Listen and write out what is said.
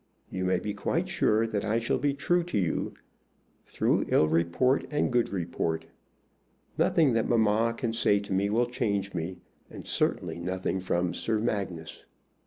You may be quite sure that I shall be true to you, through ill report and good report. Nothing that mamma can say to me will change me, and certainly nothing from Sir Magnus.